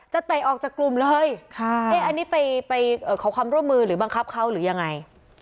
จะแตะออกจากกลุ่มเลยค่ะเอ๊ะอันนี้ไปไปเอ่อขอความร่วมมือหรือบังคับเข้าหรือยังไง